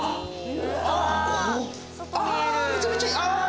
あぁめちゃめちゃいい。